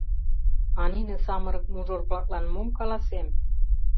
А нине самырык мужыр-влаклан мом каласем?